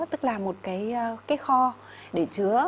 tức là một cái kho để chứa